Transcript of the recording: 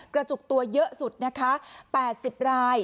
กระจุกตัวยเยอะสุด๘๐ราย